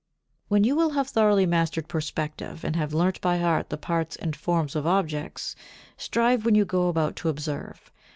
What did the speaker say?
When you will have thoroughly mastered perspective and have learnt by heart the parts and forms of objects, strive when you go about to observe.